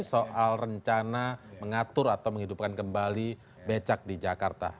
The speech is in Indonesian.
soal rencana mengatur atau menghidupkan kembali becak di jakarta